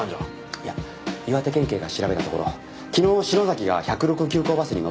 いや岩手県警が調べたところ昨日篠崎が１０６急行バスに乗った形跡はないし